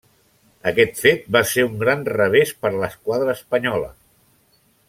Aquest fet va ser un gran revés per l'esquadra espanyola.